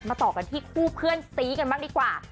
ต่อกันที่คู่เพื่อนซีกันบ้างดีกว่า